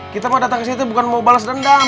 kita mah datang ke sini bukan mau balas dendam